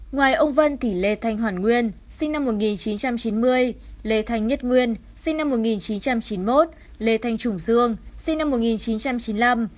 ngoài ông vân thì lê thanh hoàn nguyên sinh năm một nghìn chín trăm chín mươi lê thanh nhất nguyên sinh năm một nghìn chín trăm chín mươi một lê thanh trùng dương sinh năm một nghìn chín trăm chín mươi năm